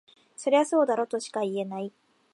そりゃそうだろとしか言えない